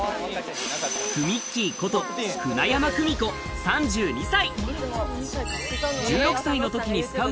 くみっきーこと舟山久美子３２歳！